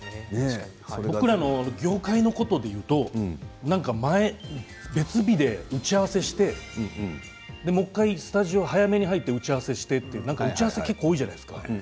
僕らの業界のことでいうと別日で打ち合わせをしてもう１回スタジオ早めに入って打ち合わせをしてとか打ち合わせが結構多いじゃないですか。